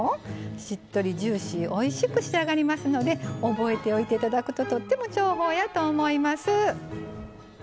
しっとりジューシーおいしく仕上がりますので覚えておいて頂くととっても重宝やと思います。